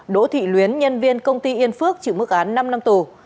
đỗ thị luyến nhân viên công ty yên phước chịu mức án năm năm tù